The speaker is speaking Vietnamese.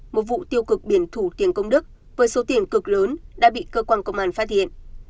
một vụ tiêu cực biển thủ tiền công đức với số tiền cực lớn đã bị cơ quan công an phát hiện